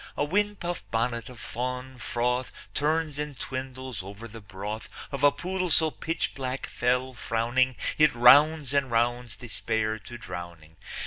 A windpuff bonnet of fáawn fróth Turns and twindles over the broth Of a pool so pitchblack, féll frówning, It rounds and rounds Despair to drowning.